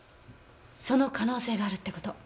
その可能性があるって事。